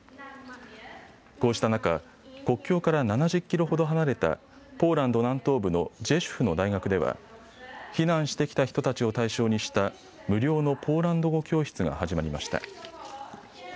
こうした中、国境から７０キロほど離れたポーランド南東部のジェシュフの大学では避難してきた人たちを対象にした無料のポーランド語教室が始まりました。